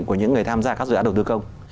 của những người tham gia các dự án đầu tư công